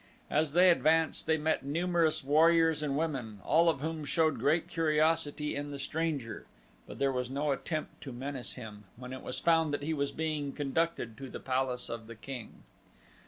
As they advanced they met numerous warriors and women, all of whom showed great curiosity in the stranger, but there was no attempt to menace him when it was found that he was being conducted to the palace of the king.